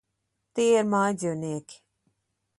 Tie ir mājdzīvnieki.